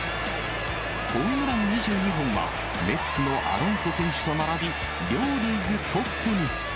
ホームラン２２本は、メッツのアロンソ選手と並び、両リーグトップに。